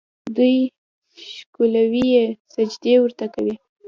دوی ښکلوي یې، سجدې ورته کوي.